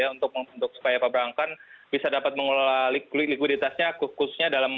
untuk supaya perbankan bisa dapat mengelola likuiditasnya